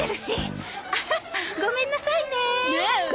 アハごめんなさいね。